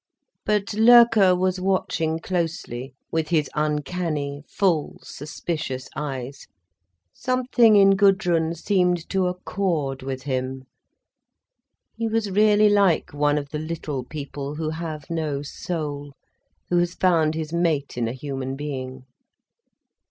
But Loerke was watching closely, with his uncanny, full, suspicious eyes. Something in Gudrun seemed to accord with him. He was really like one of the "little people' who have no soul, who has found his mate in a human being.